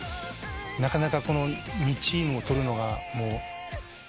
なかなかこの２チームを取るのがもう必死で。